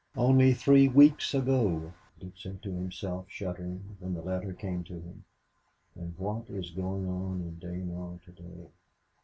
"Only three weeks ago," Dick said to himself, shuddering, when the letter came to him, "and what is going on in Dinant to day?"